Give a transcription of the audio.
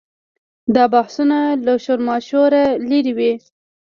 دا بحثونه له شورماشوره لرې وي.